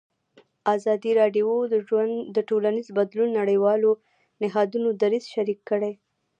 ازادي راډیو د ټولنیز بدلون د نړیوالو نهادونو دریځ شریک کړی.